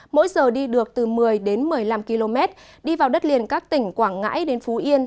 mỗi giờ đi được từ một mươi đến một mươi năm km đi vào đất liền các tỉnh quảng ngãi đến phú yên